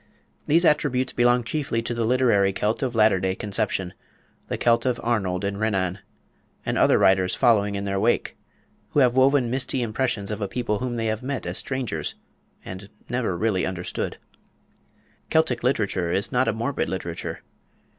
These attributes belong chiefly to the Literary Celt of latter day conception the Celt of Arnold and Renan, and other writers following in their wake, who have woven misty impressions of a people whom they have met as strangers, and never really understood. Celtic literature is not a morbid literature.